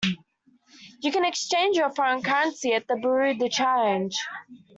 You can exchange your foreign currency at a bureau de change